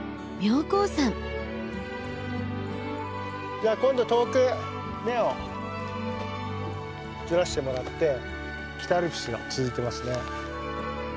じゃあ今度遠くへ目をずらしてもらって北アルプスが続いてますね。